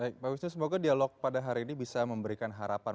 baik pak wisnu semoga dialog pada hari ini bisa memberikan harapan